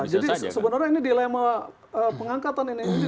jadi sebenarnya ini dilema pengangkatan ini